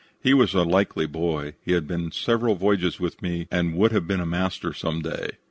He was a likely boy. He had been several voyages with me and would have been a master some day.